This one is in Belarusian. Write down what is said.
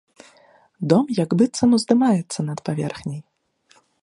Дом як быццам уздымаецца над паверхняй.